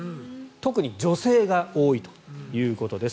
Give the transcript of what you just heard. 特に女性が多いということです。